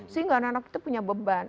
sehingga anak anak itu punya beban